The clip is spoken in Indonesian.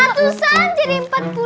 ratusan jadi empat puluh